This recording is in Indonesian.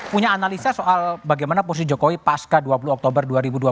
punya analisa soal bagaimana posisi jokowi pasca dua puluh oktober dua ribu dua puluh